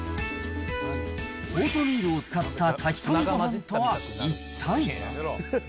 オートミールを使った炊き込みご飯とは、一体。